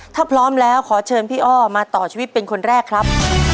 ถ้าพร้อมแล้วขอเชิญพี่อ้อมาต่อชีวิตเป็นคนแรกครับ